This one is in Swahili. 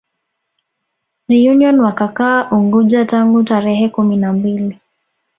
Reunion wakakaa Unguja tangu tarehe kumi na mbili